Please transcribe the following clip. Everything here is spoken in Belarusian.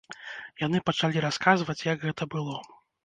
Яны пачалі расказваць, як гэта было.